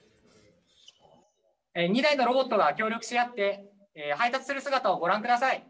２台のロボットが協力し合って配達する姿をご覧ください。